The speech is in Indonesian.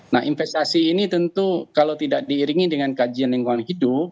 nah investasi ini tentu kalau tidak diiringi dengan kajian lingkungan hidup